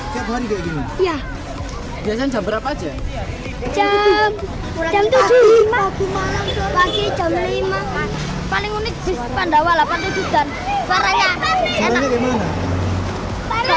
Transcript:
paling unik bus pandawa delapan puluh tujuh dan waranya